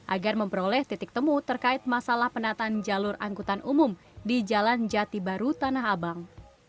agar memperoleh titik temu terkait masalah penataan jalur angkutan umum di jalan jati baru tanah abang